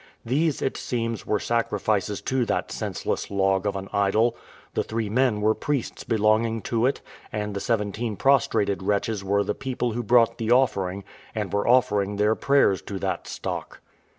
These, it seems, were sacrifices to that senseless log of an idol; the three men were priests belonging to it, and the seventeen prostrated wretches were the people who brought the offering, and were offering their prayers to that stock.